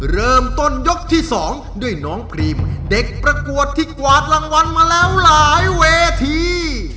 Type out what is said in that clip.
เริ่มต้นยกที่๒ด้วยน้องพรีมเด็กประกวดที่กวาดรางวัลมาแล้วหลายเวที